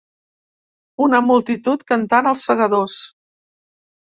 Una multitud cantant ‘Els segadors’